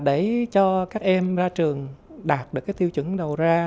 để cho các em ra trường đạt được cái tiêu chuẩn đầu ra